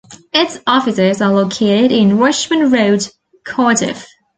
Its offices are located in Richmond Road, Cardiff.